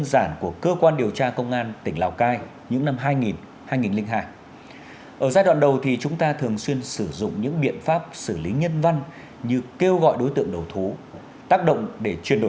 xin chào và hẹn gặp lại các bạn trong những video tiếp theo